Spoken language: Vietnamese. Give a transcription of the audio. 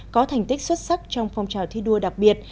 có thành tích xuất sắc trong phong trào thi đua đặc biệt